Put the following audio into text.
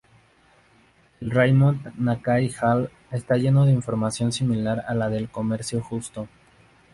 El "Raymond Nakai Hall" está lleno de información similar a la del comercio justo.